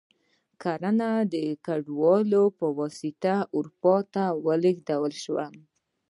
کرنه د کډوالو په واسطه اروپا ته ولېږدول شوه.